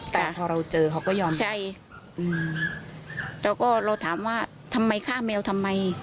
แต่พอเราเจอเขาก็ยอมใช่อืมแล้วก็เราถามว่าทำไมฆ่าแมวทำไม